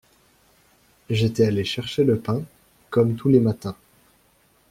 J’étais allé chercher le pain, comme tous les matins.